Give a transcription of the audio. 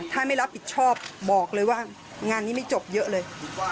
ถ้าไม่รับผิดชอบบอกเลยว่างานนี้ไม่จบเยอะเลย